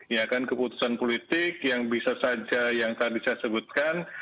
ya kan keputusan politik yang bisa saja yang tadi saya sebutkan